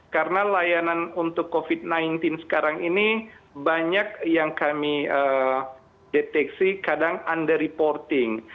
karena layanan untuk covid sembilan belas sekarang ini banyak yang kami deteksi kadang under reporting